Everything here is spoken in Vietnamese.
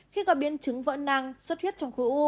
khi có biến chứng vỡ năng suốt huyết trong khối u